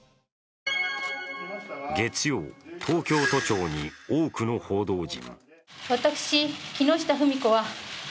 月曜、東京都庁に多くの報道陣。